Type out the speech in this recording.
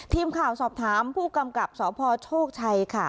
ทีมข่าวสอบถามผู้กำกับสพโชคชัยค่ะ